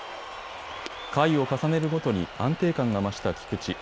回を重ねるごとに安定感が増した菊池。